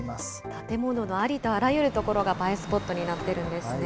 建物のありとあらゆる所が、映えスポットになっているんです